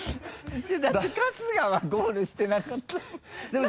だって春日はゴールしてなかったし